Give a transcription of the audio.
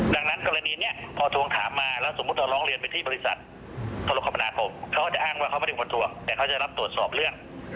ดังนั้นกรณีนี้พอทวงถามมาแล้วสมมุติเราร้องเรียนไปที่บริษัทธรคมนาคมเขาก็จะอ้างว่าเขาไม่ได้เป็นคนทวงแต่เขาจะรับตรวจสอบเรื่อง